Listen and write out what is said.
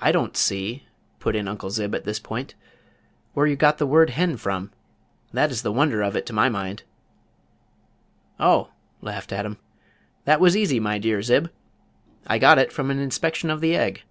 "I don't see," put in Uncle Zib at this point, "where you got the word hen from. That is the wonder of it to my mind." "Oh," laughed Adam, "that was easy, my dear Zib. I got it from an inspection of the egg."